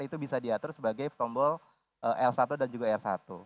itu bisa diatur sebagai tombol l satu dan juga r satu